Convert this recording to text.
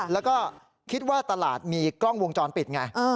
แล้วก็คิดว่าตลาดมีกล้องวงจรปิดไง